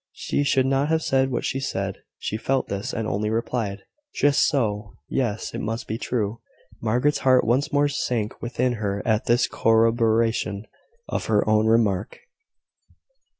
She should not have said what she had; she felt this, and only replied "Just so. Yes; it must be true." Margaret's heart once more sank within her at this corroboration of her own remark.